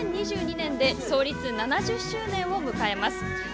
２０２２年で創立７０周年を迎えます。